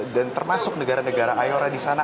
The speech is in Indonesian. dan termasuk negara negara ayur di sana